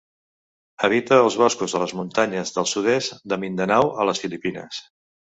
Habita els boscos de les muntanyes del sud-est de Mindanao, a les Filipines.